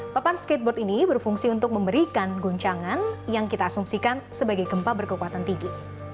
papan skateboard ini berfungsi untuk memberikan guncangan yang kita asumsikan sebagai gempa berkekuatan tinggi